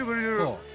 そう。